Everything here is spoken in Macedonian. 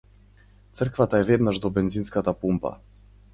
Црквата е веднаш до бензинската пумпа.